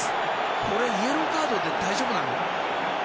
これイエローカードで大丈夫なの？